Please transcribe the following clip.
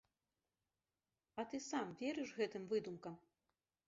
А ты сам верыш гэтым выдумкам?